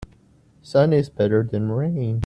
Sun is better than rain.